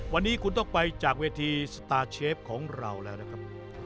วันนี้คุณต้องไปจากเวทีสตาร์เชฟของเราแล้วนะครับ